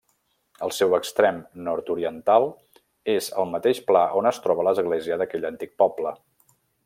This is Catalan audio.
El seu extrem nord-oriental és el mateix pla on es troba l'església d'aquell antic poble.